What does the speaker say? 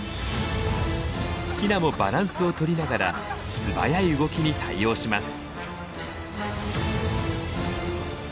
ヒナもバランスをとりながら素早い動きに対応します。